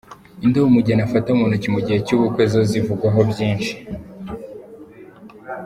Indabo umugeni afata mu ntoki mu gihe cy’ubukwe zo zivugwaho byinshi.